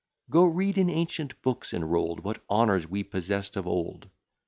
Go read in ancient books enroll'd What honours we possess'd of old.